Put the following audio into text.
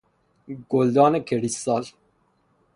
گلدان کریستال